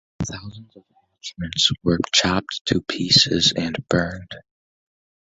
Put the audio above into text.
Thousands of hatchments were chopped to pieces and burned.